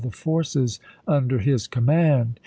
'.' the forces under his command.